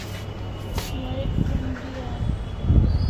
Warek krom gri aw e?